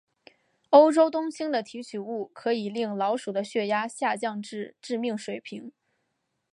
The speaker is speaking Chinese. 欧洲冬青的提取物可以令老鼠的血压下降至致命水平。